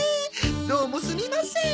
どうもすみません。